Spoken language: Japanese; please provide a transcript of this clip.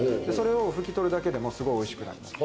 それを拭き取るだけでもすごく美味しくなる。